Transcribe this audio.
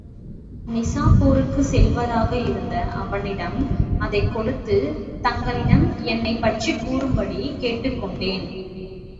நிசாப்பூருக்குச் செல்வதாக இருந்த அவனிடம் அதைக் கொடுத்து தங்களிடம் என்னைப் பற்றிக்கூறும்படி கேட்டுக் கொண்டேன்.